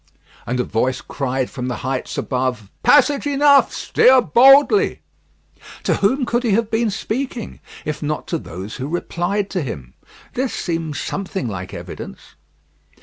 And a voice cried from the heights above: "Passage enough: steer boldly." To whom could he have been speaking, if not to those who replied to him? This seems something like evidence.